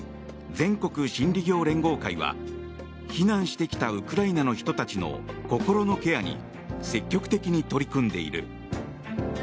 全国心理業連合会は避難してきたウクライナの人たちの心のケアに積極的に取り組んでいる。